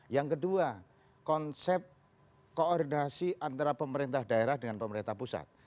yang kedua konsep koordinasi antara pemerintah daerah dengan pemerintah pusat